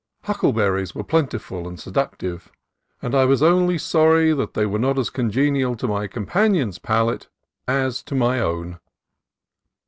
Huckleberries were plentiful and seductive, and I was only sorry that they were not as congenial to my companion's palate as to my own.